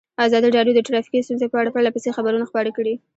ازادي راډیو د ټرافیکي ستونزې په اړه پرله پسې خبرونه خپاره کړي.